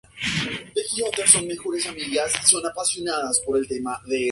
Hijo de Nazario Araníbar y Marina Zerpa.